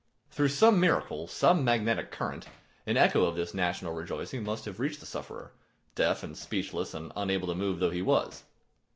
Through some miracle, some magnetic current, an echo of this national rejoicing must have reached the sufferer, deaf and speechless and unable to move though he was.